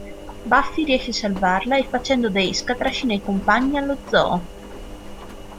Buffy riesce a salvarla e facendo da esca trascina i compagni allo zoo.